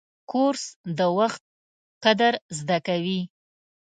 کورس د وخت قدر زده کوي.